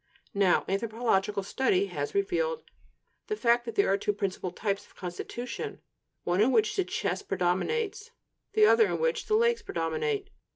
Now anthropological study has revealed the fact that there are two principal types of constitution: one in which the chest predominates, the other in which the legs predominate.